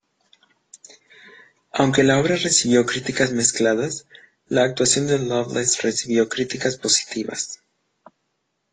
Aunque la obra recibió críticas mezcladas, la actuación de Loveless recibió críticas positivas.